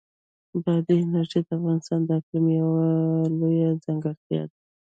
بادي انرژي د افغانستان د اقلیم یوه لویه ځانګړتیا ده.